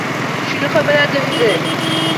Shunaqa bo‘ladi o‘zi.